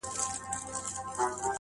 يوې ملالي پسې بله مړه ده، بله مړه ده,